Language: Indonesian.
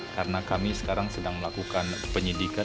karena kami sekarang sedang melakukan penyidikan